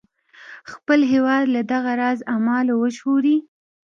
خپل هیواد له دغه راز اعمالو وژغوري.